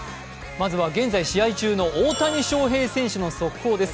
まずは現在試合中の大谷翔平選手の速報です。